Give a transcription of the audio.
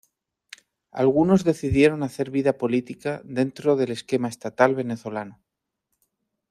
Algunos decidieron hacer vida política dentro del esquema estatal venezolano.